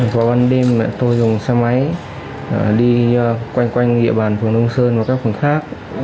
vào ban đêm tôi dùng xe máy đi quanh địa bàn phường đông sơn và các phường khác